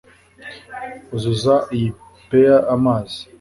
Uzuza iyi pail amazi